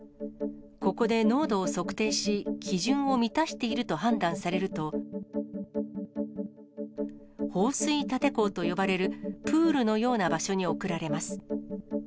ここで濃度を測定し、基準を満たしていると判断されると、放水立坑と呼ばれるプールのような場所に送られます。